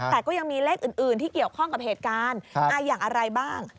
แต่ก็ยังมีเลขอื่นที่เกี่ยวข้องกับเหตุการณ์อย่างอะไรบ้าง